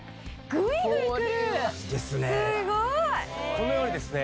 このようにですね